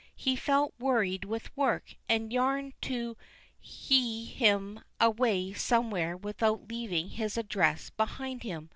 He felt worried with work, and yearned to hie him away somewhere without leaving his address behind him.